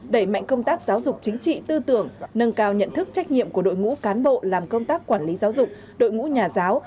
đẩy mạnh công tác giáo dục chính trị tư tưởng nâng cao nhận thức trách nhiệm của đội ngũ cán bộ làm công tác quản lý giáo dục đội ngũ nhà giáo